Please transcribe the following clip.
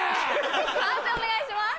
判定お願いします。